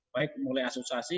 baik mulai asosiasi